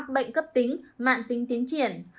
mắc bệnh cấp tính mạng tính tiến triển